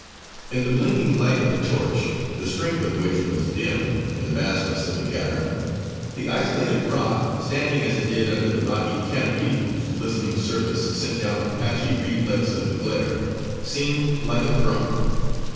In the blinking light of the torch, the strength of which was dimmed in the vastness of the cavern, the isolated rock, standing as it did under the rocky canopy whose glistening surface sent down a patchy reflex of the glare, seemed like a throne.